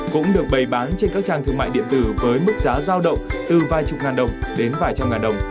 cũng được bày bán trên các trang thương mại điện tử với mức giá giao động từ vài chục ngàn đồng đến vài trăm ngàn đồng